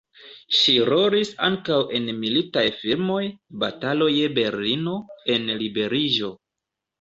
Ŝi rolis ankaŭ en militaj filmoj "Batalo je Berlino" en "Liberiĝo".